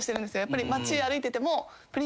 やっぱり街歩いてても。